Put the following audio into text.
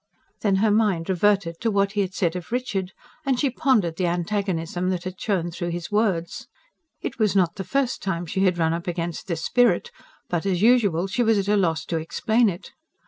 Then her mind reverted to what he had said of Richard, and she pondered the antagonism that had shown through his words. It was not the first time she had run up against this spirit, but, as usual, she was at a loss to explain it.